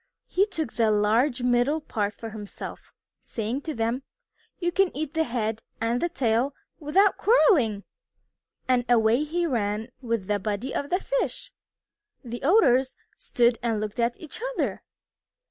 He took the large middle part for himself, saying to them, "You can eat the head and the tail without quarreling." And away he ran with the body of the fish. The Otters stood and looked at each other.